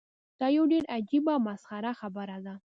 دا یوه ډیره عجیبه او مسخره خبره ده.